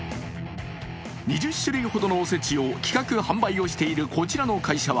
２０種類ほどのおせちを企画・販売しているこちらの会社は